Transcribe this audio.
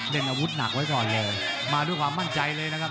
อาวุธหนักไว้ก่อนเลยมาด้วยความมั่นใจเลยนะครับ